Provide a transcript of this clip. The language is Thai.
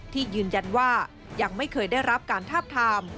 ที่ยืนยันว่ายังไม่เคยได้รับการทาบทาม